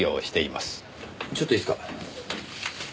ちょっといいですか？